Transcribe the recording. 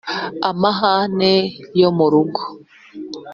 Amahane yo mu rugo